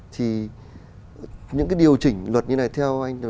thì những cái điều chỉnh luật như này theo anh